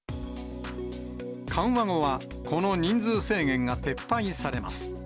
緩和後は、この人数制限が撤廃されます。